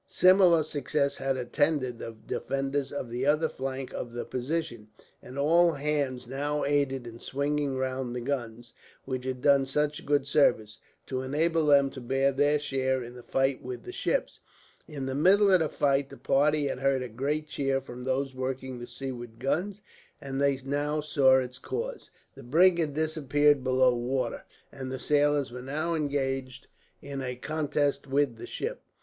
Similar success had attended the defenders of the other flank of the position, and all hands now aided in swinging round the guns, which had done such good service, to enable them to bear their share in the fight with the ships. In the middle of the fight, the party had heard a great cheer from those working the seaward guns, and they now saw its cause. The brig had disappeared below the water, and the sailors were now engaged in a contest with the ship.